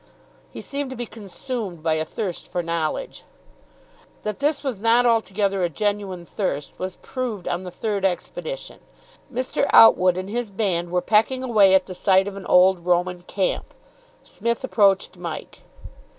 He seemed to be consumed by a thirst for knowledge. That this was not altogether a genuine thirst was proved on the third expedition. Mr. Outwood and his band were pecking away at the site of an old Roman camp. Psmith approached Mike.